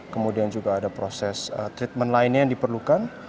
kemudian juga ada proses treatment lainnya yang diperlukan